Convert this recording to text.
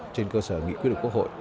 trên cơ sở nghị quyết định quốc hội